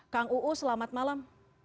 kang uu selamat malam